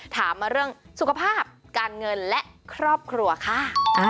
ถามมาเรื่องสุขภาพการเงินและครอบครัวค่ะ